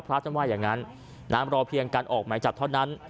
ท่านว่าอย่างนั้นรอเพียงการออกหมายจับเท่านั้น